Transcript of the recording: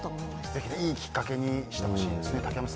ぜひいいきっかけにしてほしいですね。